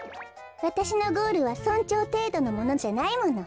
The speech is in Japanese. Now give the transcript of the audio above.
わたしのゴールは村長ていどのものじゃないもの。